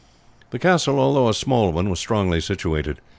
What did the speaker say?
The castle, although a small one, was strongly situated.